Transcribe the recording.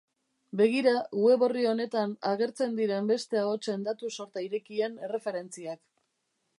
Begira web-orri honetan agertzen diren beste ahotsen datu-sorta irekien erreferentziak.